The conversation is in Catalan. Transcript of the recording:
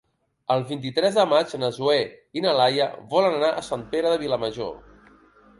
El vint-i-tres de maig na Zoè i na Laia volen anar a Sant Pere de Vilamajor.